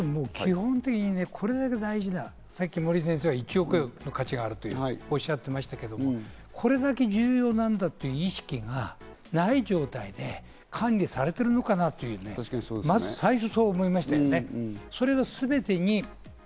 基本的に、これだけ大事な、森井先生が先ほど１億の価値があるとおっしゃっていましたが、これだけ重要なものという意識がない状態で管理されているのかなと。まず最初、そう思いましたね。